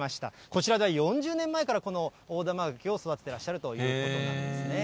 こちらでは４０年前からこの大玉柿を育ててらっしゃるということなんですね。